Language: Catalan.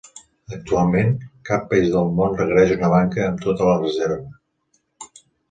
Actualment, cap país del món requereix una banca amb tota la reserva.